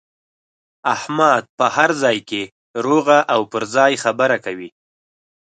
احمد په هر ځای کې روغه او پر ځای خبره کوي.